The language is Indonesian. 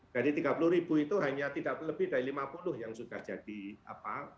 jadi tiga puluh itu hanya tidak lebih dari lima puluh yang sudah jadi apa